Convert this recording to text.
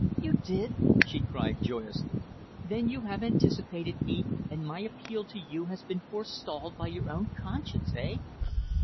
"You did!" she cried joyously. "Then you have anticipated me, and my appeal to you has been forestalled by your own conscience eh?"